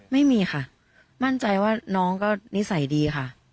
ไม่มีค่ะมั่นใจว่าน้องก็นิสัยดีค่ะ